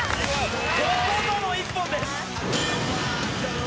ここぞの一本です！